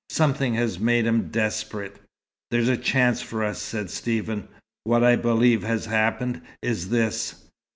Something has made him desperate." "There's a chance for us," said Stephen. "What I believe has happened, is this.